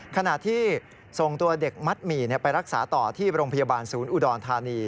ขณะที่ส่งตัวเด็กมัดหมี่ไปรักษาต่อที่โรงพยาบาลศูนย์อุดรธานี